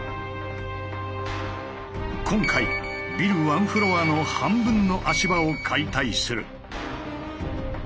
今回ビルワンフロアの半分の足場を解体する。